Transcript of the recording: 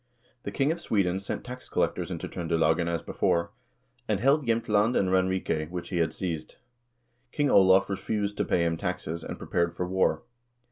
The king of Sweden sent tax collectors into Tr0ndelagen, as before, and held Jsemtland and Ranrike, which he had seized. King Olav refused to pay him taxes, and prepared for war.